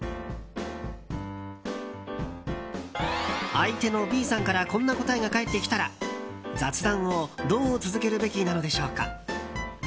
相手のＢさんからこんな答えが返ってきたら雑談をどう続けるべきなのでしょうか。